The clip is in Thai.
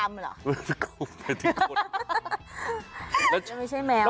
แมวหลักเกาเปล่าไม่ใช่แมงแล้ว